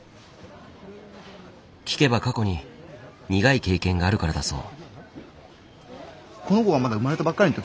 聞けば過去に苦い経験があるからだそう。